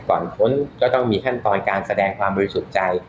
ก่อนต้นก็ต้องมีขั้นตอนการแสดงความมือถูกใจ